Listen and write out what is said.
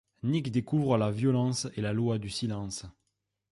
Nick découvre la violence et la loi du silence.